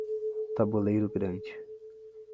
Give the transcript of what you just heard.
Taboleiro Grande